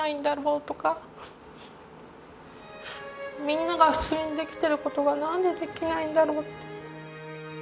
みんなが普通にできている事がなんでできないんだろうって。